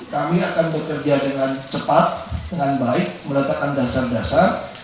kami akan bekerja dengan cepat dengan baik meletakkan dasar dasar